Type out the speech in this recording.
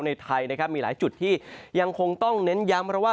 ในไทยมีหลายจุดที่ยังคงต้องเน้นย้ำ